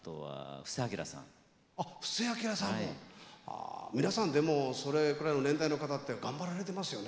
あ皆さんでもそれくらいの年代の方って頑張られてますよね。